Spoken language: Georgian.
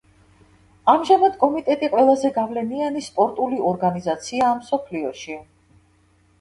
ამჟამად კომიტეტი ყველაზე გავლენიანი სპორტული ორგანიზაციაა მსოფლიოში.